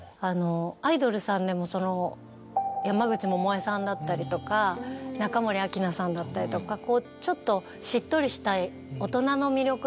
アイドルさんでも山口百恵さんだったりとか中森明菜さんだったりとかちょっとしっとりした。